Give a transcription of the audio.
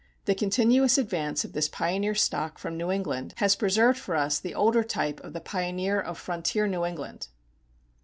The continuous advance of this pioneer stock from New England has preserved for us the older type of the pioneer of frontier New England.